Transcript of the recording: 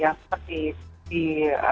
yang seperti ditanya oleh pak